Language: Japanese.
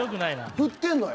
ふってんのよ